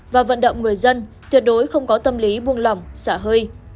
và vận động người dân tuyệt đối không có tâm lý buông lỏng xả hơi